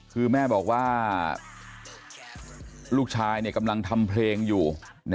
คือแม่บอกว่าลูกชายกำลังทำเพลงอยู่